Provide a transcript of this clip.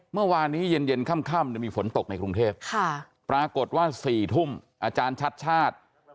เมื่อวานนี้เย็นค่ำมีฝนตกในกรุงเทพปรากฏว่า๔ทุ่มอาจารย์ชัดชาติ